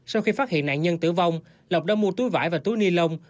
sau khi phát hiện nạn nhân tử vong lộc đã mua túi vải và túi ni lông